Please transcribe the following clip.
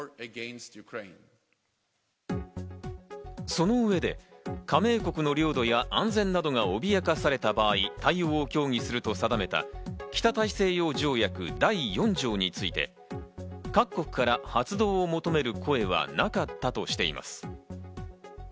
その上で加盟国の領土や安全などが脅かされた場合、対応を協議すると定めた北大西洋条約第４条について、各国から発動を求める声はなかったとしています。